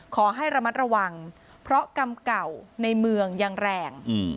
ขอให้ระมัดระวังเพราะกรรมเก่าในเมืองยังแรง